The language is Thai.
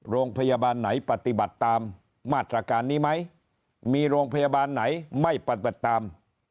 โรงพยาบาลไหนปฏิบัติตามมาตรการนี้ไหมมีโรงพยาบาลไหนไม่ปฏิบัติตาม